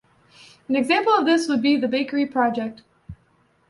An example of this would be the bakery project.